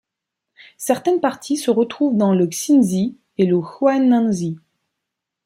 Certaines parties se retrouvent dans le Xunzi et le Huainanzi.